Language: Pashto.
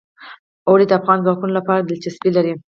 اوړي د افغان ځوانانو لپاره دلچسپي لري.